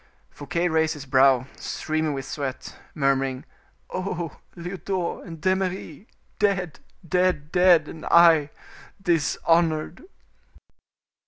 Fouquet raised his brow, streaming with sweat, murmuring, "Oh! Lyodot and D'Eymeris! dead! dead! dead! and I dishonored."